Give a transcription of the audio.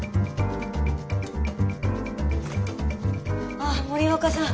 あっ森若さん